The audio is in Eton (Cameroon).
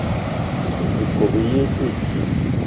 Ikob í yé í te dji.